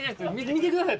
見てください